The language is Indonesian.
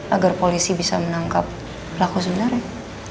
agar polisi bisa menangkap pelaku sebenarnya